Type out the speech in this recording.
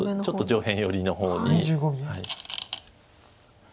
ちょっと上辺寄りの方に。